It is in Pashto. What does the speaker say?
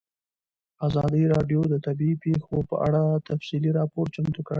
ازادي راډیو د طبیعي پېښې په اړه تفصیلي راپور چمتو کړی.